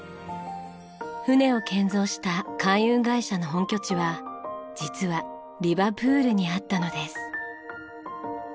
船を建造した海運会社の本拠地は実はリバプールにあったのです。